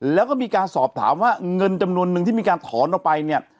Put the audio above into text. แล้วก็มีการสอบถามว่าเงินจำนวนนึงที่มีการถอนออกไปเนี่ย